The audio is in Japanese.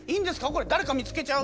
誰か見つけちゃう。